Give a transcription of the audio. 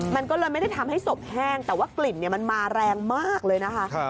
มันก็เลยไม่ได้ทำให้ศพแห้งแต่ว่ากลิ่นมันมาแรงมากเลยนะคะ